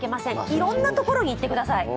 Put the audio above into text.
いろんなところに行ってください。